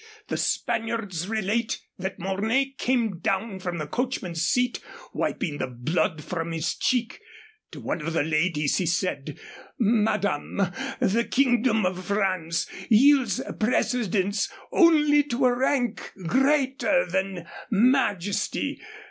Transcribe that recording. The Spaniards relate that Mornay came down from the coachman's seat wiping the blood from his cheek. To one of the ladies he said, 'Madame, the kingdom of France yields precedence only to a rank greater than Majesty.